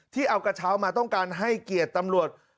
ที่เอากระเช้ามาต้องการให้เกียรติตำรวจ